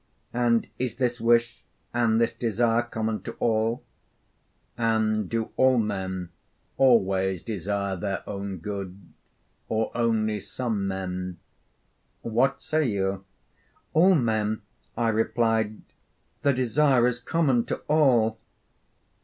'And is this wish and this desire common to all? and do all men always desire their own good, or only some men? what say you?' 'All men,' I replied; 'the desire is common to all.'